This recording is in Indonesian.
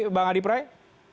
mbak adi praet